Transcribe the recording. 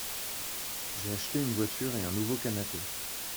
j'ai acheté une voiture et un nouveau canapé.